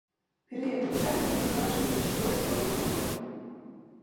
Перыяд навучання быў скарочаны да чатырох з паловай гадоў.